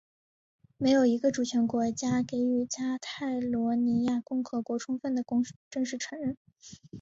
没有一个主权国家给予加泰罗尼亚共和国充分的正式承认。